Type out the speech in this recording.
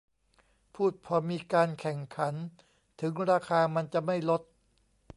พูดพอมีการแข่งขัน ถึงราคามันจะไม่ลด